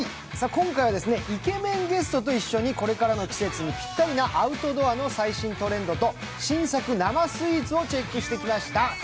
今回はイケメンゲストと一緒に、これからの季節にぴったりのアウトドアの最新トレンドと、新作生スイーツをチェックしてきました。